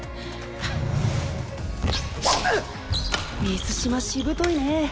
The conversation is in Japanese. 水嶋しぶといね！